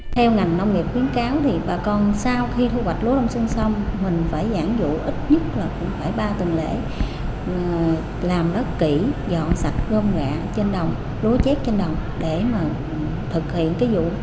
theo ngành nông nghiệp khuyến cáo thì bà con sau khi thu hoạch lúa đông xuân xong mình phải giảng dụ ít nhất là cũng phải ba tuần lễ làm đất kỹ dọn sạch gom gạ trên đồng lúa chét trên đồng để mà thực hiện cái vụ